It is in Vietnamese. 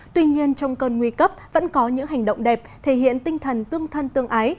tuy nhiên trong cơn nguy cấp vẫn có những hành động đẹp thể hiện tinh thần tương thân tương ái